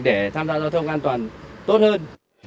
để tham gia giao thông an toàn tốt hơn